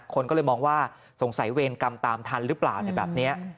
คนก็เลยมองว่าสงสัยเวรกรรมตามทันหรือเปล่าแบบนี้